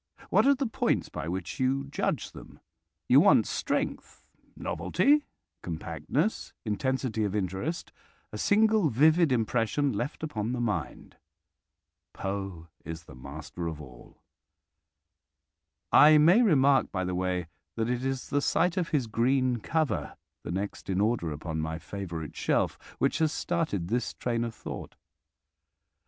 What are the points by which you judge them? You want strength, novelty, compactness, intensity of interest, a single vivid impression left upon the mind. Poe is the master of all. I may remark by the way that it is the sight of his green cover, the next in order upon my favourite shelf, which has started this train of thought.